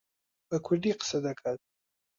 بە کوردی قسە دەکات.